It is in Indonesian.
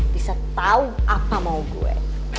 bisa tahu apa mau gue